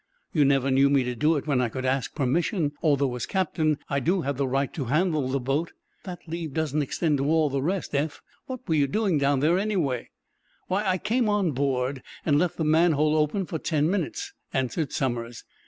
"You never knew me to do it when I could ask permission, although, as captain, I have the right to handle the boat. But that leave doesn't extend to all the rest, Eph. What were you doing down there, anyway?" "Why, I came on board, and left the manhole open for ten minutes," answered Somers.